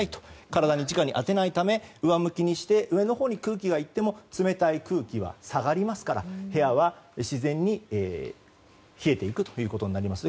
体にじかに当てないため上向きにして上のほうに空気がいっても、冷たい空気は下がりますから、部屋は自然に冷えていくことになります。